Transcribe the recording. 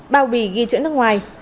bao bì ghi chữa nước ngoài